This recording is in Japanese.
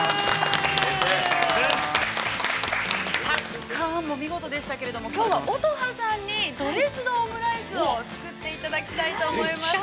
◆ぱっかーんも見事でしたけれども、きょうは乙葉さんに、ドレスドオムライスを作っていただきたいと思います。